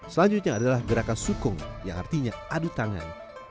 selanjutnya adalah gerakan sukong yang artinya adu tangan